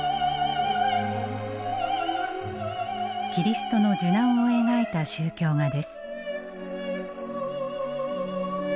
キリストの受難を描いた宗教画です。